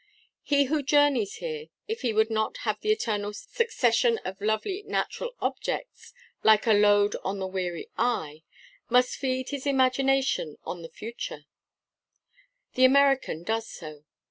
He who journeys here, if he would not have the eternal succession of lovely natural objects— "Lie like a load on the weary eye," must feed his imagination on the future. The American does so.